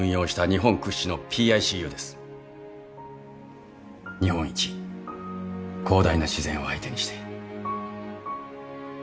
日本一広大な自然を相手にして。